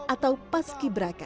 atau paski beraka